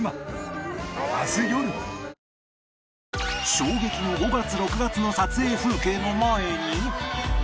衝撃の５月６月の撮影風景の前に